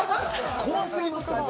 怖すぎますからね。